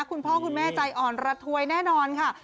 คุณพ่อคุณแม่ใจอ่อนระทวยแน่นอนค่ะ